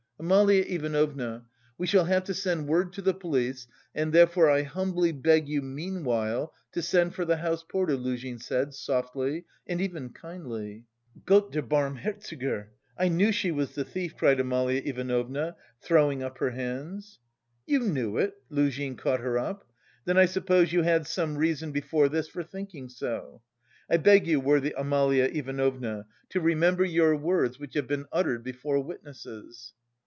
"Amalia Ivanovna, we shall have to send word to the police and therefore I humbly beg you meanwhile to send for the house porter," Luzhin said softly and even kindly. "Gott der Barmherzige! I knew she was the thief," cried Amalia Ivanovna, throwing up her hands. "You knew it?" Luzhin caught her up, "then I suppose you had some reason before this for thinking so. I beg you, worthy Amalia Ivanovna, to remember your words which have been uttered before witnesses."